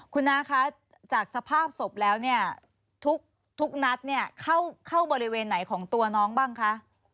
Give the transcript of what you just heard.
คุณน้าคะจากสภาพศพแล้วเนี่ยทุกนัดเนี่ยเข้าบริเวณไหนของตัวน้องบ้างคะ